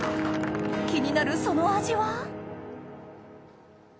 気になるその味は？